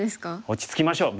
落ち着きましょう。